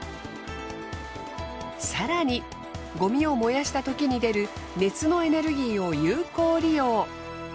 更にごみを燃やしたときに出る熱のエネルギーを有効利用。